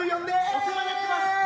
お世話になってます！